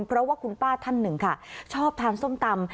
เพราะว่าคุณป้าท่านหนึ่งค่ะชอบทานส้มตำ